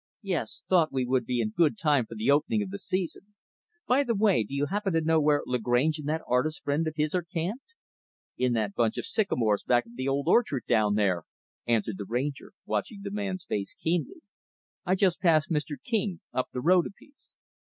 "Yes thought we would be in good time for the opening of the season. By the way, do you happen to know where Lagrange and that artist friend of his are camped?" "In that bunch of sycamores back of the old orchard down there," answered the Ranger, watching the man's face keenly. "I just passed Mr. King, up the road a piece."